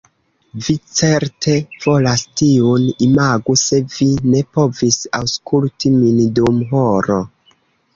Vi certe volas tiun. Imagu se vi ne povis aŭskulti min dum horo!